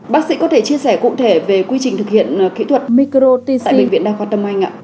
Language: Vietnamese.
bác sĩ có thể chia sẻ cụ thể về quy trình thực hiện kỹ thuật micro tc tại bệnh viện đa khoa tâm anh